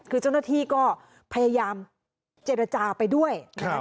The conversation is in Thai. คือเจ้าหน้าที่ก็พยายามเจรจาไปด้วยนะครับ